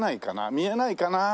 見えないかな。